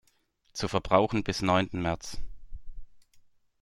Zu Verbrauchen bis neunten März.